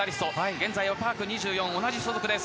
現在はパーク２４同じ所属です。